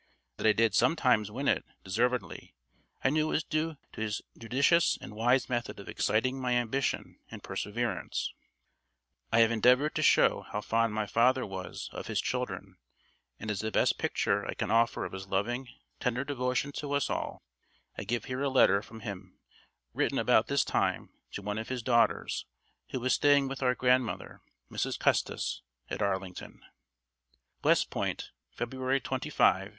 That I did sometimes win it, deservedly, I know was due to his judicious and wise method of exciting my ambition and perseverance. I have endeavoured to show how fond my father was of his children, and as the best picture I can offer of his loving, tender devotion to us all, I give here a letter from him written about this time to one of his daughters who was staying with our grandmother, Mrs. Custis, at Arlington: "WestPoint, February 25, 1853.